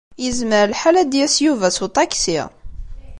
Yezmer lḥal ad d-yas Yuba s uṭaksi.